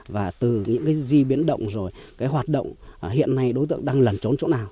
và từ những gì biến động rồi cái hoạt động hiện nay đối tượng đang lần trốn chỗ nào